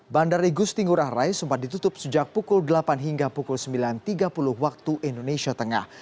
bandara igusti ngurah rai sempat ditutup sejak pukul delapan hingga pukul sembilan tiga puluh waktu indonesia tengah